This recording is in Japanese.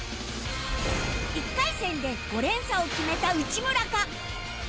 １回戦で５連鎖を決めた内村か？